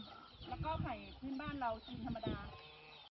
แล้วก็ไข่พื้นบ้านเราจริงธรรมดา